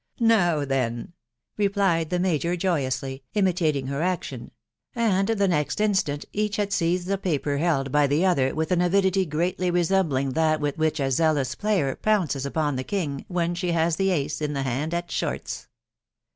" Now then !".... replied the major joyously, imitating her action ; and the next instant each had seized the paper held by the other with an avidity greatly resembling that with which a zealous player pounces upon t\ie V\xv%^\i«i A»\«a the ace in the hand at " shorts.'